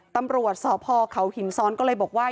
ตำรวจสพเขาหินซ้อนก็เลยบอกว่า